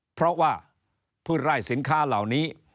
เพราะว่าพืชไร่สินค้าเหล่านี้